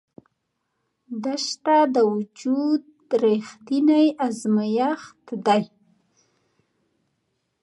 دښته د وجود رښتینی ازمېښت دی.